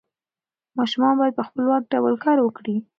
ماشومان باید په خپلواک ډول کار وکړي.